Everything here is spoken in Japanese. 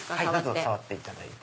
触っていただいて。